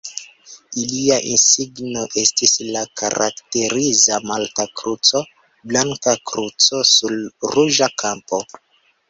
Ilia insigno estis la karakteriza malta kruco, blanka kruco sur ruĝa kampo.